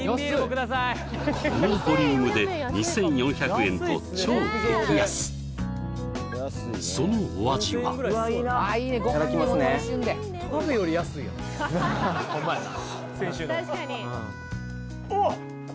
このボリュームで２４００円と超激安そのお味はあっ！